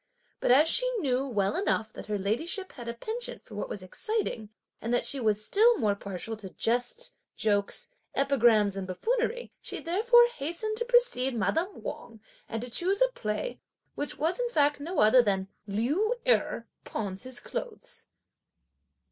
But as she knew well enough that her ladyship had a penchant for what was exciting, and that she was still more partial to jests, jokes, epigrams, and buffoonery, she therefore hastened to precede (madame Wang) and to choose a play, which was in fact no other than "Liu Erh pawns his clothes."